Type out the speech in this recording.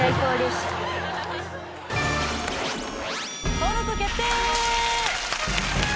登録決定！